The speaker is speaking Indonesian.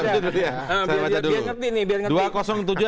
biar ngerti nih